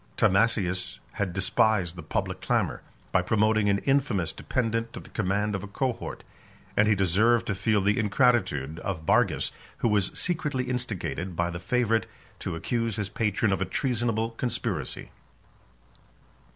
Timasius had despised the public clamor, by promoting an infamous dependant to the command of a cohort; and he deserved to feel the ingratitude of Bargus, who was secretly instigated by the favorite to accuse his patron of a treasonable conspiracy.